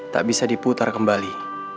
tak bisa diputar kembali